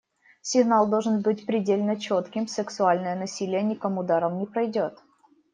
Сигнал должен быть предельно четким: сексуальное насилие никому даром не пройдет.